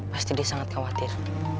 pasti dia sangat khawatir